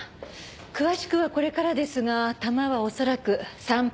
詳しくはこれからですが弾は恐らく．３８